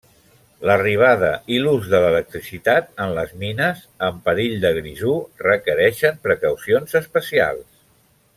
L'arribada i l'ús de l'electricitat en les mines amb perill de grisú requereixen precaucions especials.